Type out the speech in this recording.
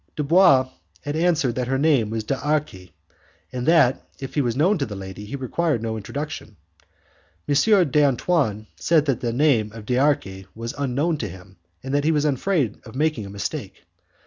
Dubois had answered that her name was D'Arci, and that, if he was known to the lady, he required no introduction. M. d'Antoine said that the name of D'Arci was unknown to him, and that he was afraid of making a mistake.